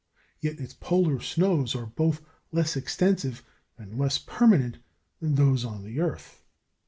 Yet its polar snows are both less extensive and less permanent than those on the earth.